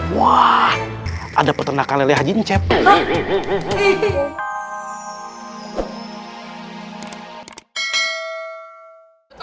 wah ada peternakan lele hajin cepet